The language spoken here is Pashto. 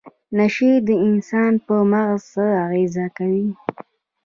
نشې د انسان په مغز څه اغیزه کوي؟